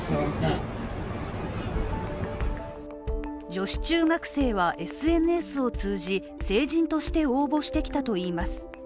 女子中学生はＳＮＳを通じ、成人として応募してきたといいます。